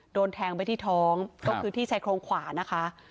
โดนแทงไปที่ท้องก็คือที่ชายโครงขวานะคะ